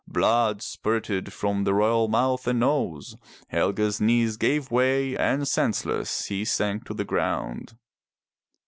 Blood spurted from the royal mouth and nose, Helge's knees gave way and senseless he sank to the ground.